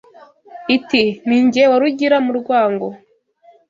Iti: ni jye warugira mu rwango